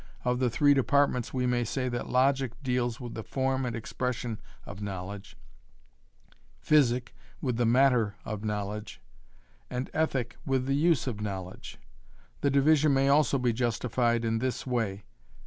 Of the three departments we may say that logic deals with the form and expression of knowledge, physic with the matter of knowledge, and ethic with the use of knowledge. The division may also be justified in this way.